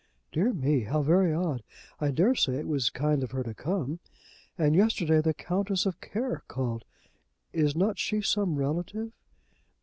"Dear me; how very odd. I dare say it was kind of her to come. And yesterday the Countess of Care called. Is not she some relative?"